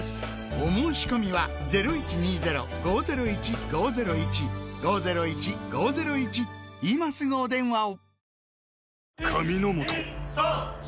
お申込みは今すぐお電話を！